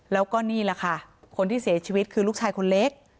แล้วก็นี่แหละค่ะคนที่เสียชีวิตคือลูกชายคนเล็ก